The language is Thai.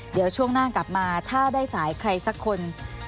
เดี๋ยวช่วงหน้ากลับมาถ้าได้สายใครสักคน